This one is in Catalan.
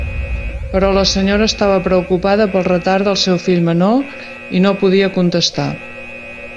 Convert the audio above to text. Però la senyora estava preocupada pel retard del seu fill menor i no podia contestar.